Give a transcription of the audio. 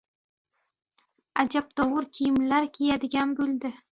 Ajabtovur kiyimlar kiyadigan bo‘ldi.